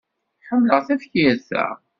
Ḥemmleɣ tafyirt-a.